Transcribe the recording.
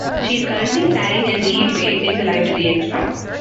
She is currently starring as Eve Baird in "The Librarians".